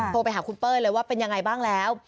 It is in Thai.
โทรไปหาคุณเป้ยเลยว่าเป็นยังไงบ้างแล้ว